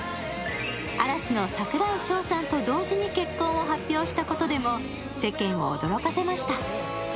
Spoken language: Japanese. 嵐の櫻井翔さんと同時に結婚を発表したことでも世間を驚かせました。